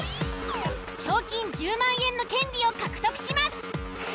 賞金１０万円の権利を獲得します。